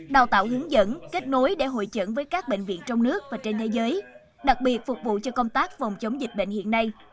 đào tạo hướng dẫn kết nối để hội chẩn với các bệnh viện trong nước và trên thế giới đặc biệt phục vụ cho công tác phòng chống dịch bệnh hiện nay